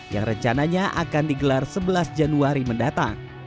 yang rencananya akan digelar sebelas januari mendatang